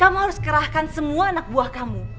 kamu harus kerahkan semua anak buah kamu